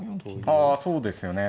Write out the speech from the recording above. あそうですよね。